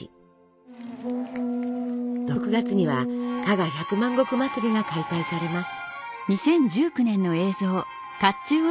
６月には加賀百万石祭りが開催されます。